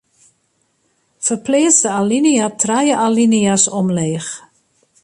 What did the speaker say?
Ferpleats de alinea trije alinea's omleech.